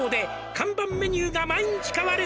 「看板メニューが毎日変わる」